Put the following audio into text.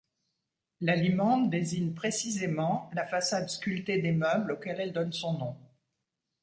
La limande désigne précisément la façade sculptée des meubles auxquels elle donne son nom.